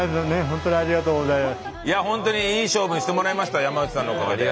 本当にいい勝負してもらいました山内さんのおかげで。